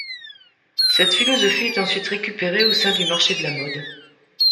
Cette philosophie est ensuite récupérée au sein du marché de la mode.